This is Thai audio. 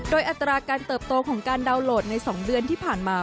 โดยอัตราการเติบโตของการดาวน์โหลดใน๒เดือนที่ผ่านมา